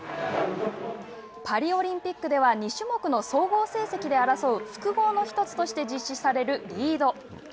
パリオリンピックでは２種目の総合成績で争う複合の１つとして実施されるリード。